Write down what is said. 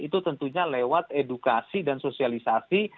itu tentunya lewat edukasi dan sosialisasi